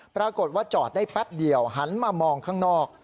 ปรากฏว่าจอดได้แป๊บเดียวหันมามองข้างนอก